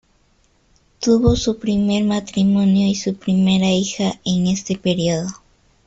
Tuvo su primer matrimonio y su primera hija en este periodo.